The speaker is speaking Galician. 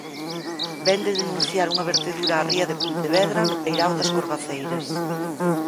Vén de denunciar unha vertedura á ría de Pontevedra no peirao das Corvaceiras